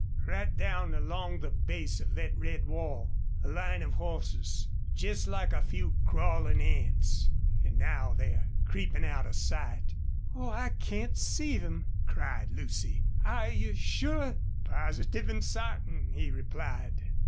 "Right down along the base of thet red wall. A line of hosses. Jest like a few crawlin' ants' ... An' now they're creepin' out of sight." "Oh, I can't see them!" cried Lucy. "Are you SURE?" "Positive an' sartin," he replied.